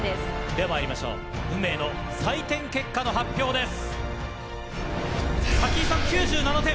ではまいりましょう運命の採点結果の発表です。